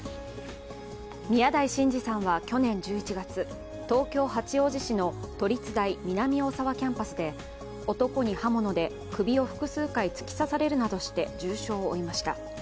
宮台真司さんは去年１１月、東京・八王子市の都立大・南大沢キャンパスで男には物で首を複数回、突き刺されるなどして重傷を負いました。